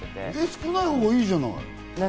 少ないほうがいいじゃない。